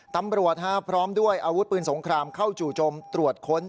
ตำรวจพร้อมด้วยอาวุธปืนสงครามเข้าจู่จมตรวจค้น